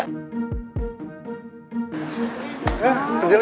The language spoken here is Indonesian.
kerja lagi kerja lagi